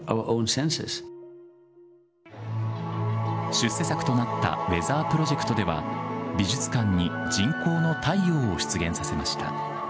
出世作となったウェザー・プロジェクトでは、美術館に人工の太陽を出現させました。